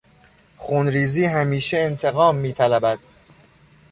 خونریزی همیشه انتقام میطلبد.